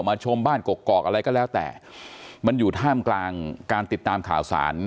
ชมบ้านกกอกอะไรก็แล้วแต่มันอยู่ท่ามกลางการติดตามข่าวสาร